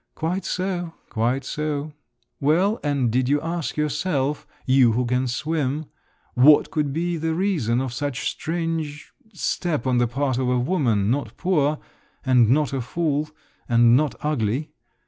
"Quite so, quite so. Well, and did you ask yourself, you who can swim, what could be the reason of such a strange … step on the part of a woman, not poor … and not a fool … and not ugly?